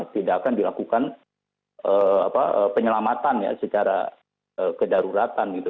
tidak akan dilakukan penyelamatan ya secara kedaruratan gitu